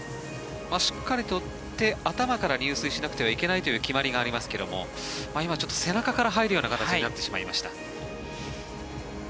しっかりと手、頭から入水しなければいけないという決まりがありますけれども今、背中から入るような形になってしまいました。